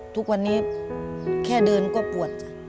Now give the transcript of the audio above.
ทุกวันนี้แค่เดินก็ปวดจ้ะ